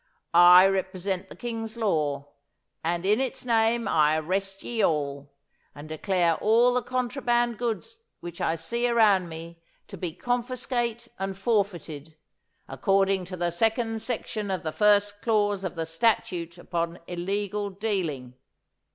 'I represent the King's law, and in its name I arrest ye all, and declare all the contraband goods which I see around me to be confiscate and forfeited, according to the second section of the first clause of the statute upon illegal dealing.